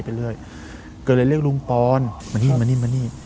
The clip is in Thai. ก็เลยเรียกลุงปอนมานี่